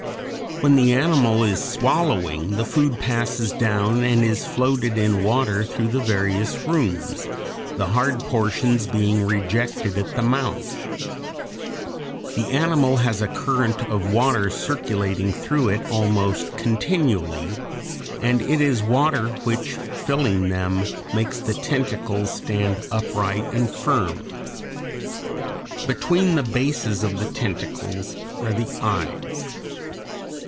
When the animal is swallowing, the food passes down and is floated in water through the various rooms, the hard portions being rejected at the mouth. The animal has a current of water circulating through it almost continually, and it is water which, filling them, makes the tentacles stand upright and firm. Between the bases of the tentacles are the eyes.